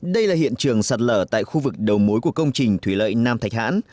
đây là hiện trường sạt lở tại khu vực đầu mối của công trình thủy lợi nam thạch hãn